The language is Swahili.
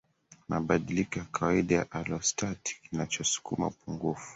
mabadiliko ya kawaida ya alostati Kinachosukuma upungufu